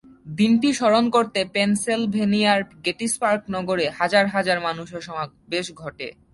দিনটি স্মরণ করতে পেনসেলভেনিয়ার গেটিসবার্গ নগরে হাজার হাজার মানুষের সমাবেশ ঘটে।